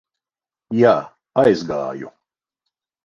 Jā, aizgāju.